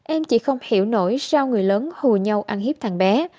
em chỉ không hiểu nổi sao người lớn hù nhau ăn hiếp thằng bé